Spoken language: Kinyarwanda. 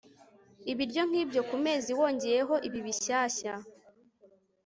ibiryo nkibyo ku mezi wongeyeho ibi bishyashya